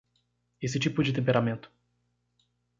Esse tipo de temperamento